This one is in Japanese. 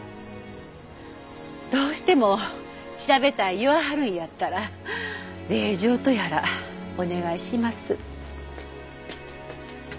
どうしても調べたい言わはるんやったら令状とやらお願いします。